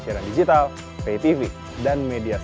dari satuan delapan puluh satu pakasius